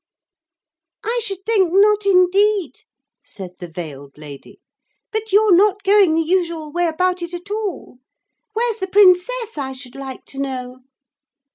'I should think not indeed,' said the veiled lady; 'but you're not going the usual way about it at all. Where's the princess, I should like to know?'